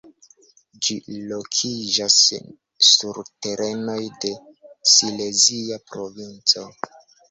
Ĝi lokiĝas sur terenoj de Silezia Provinco.